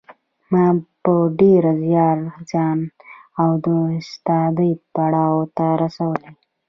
ما په ډېر زیار ځان د استادۍ پړاو ته رسولی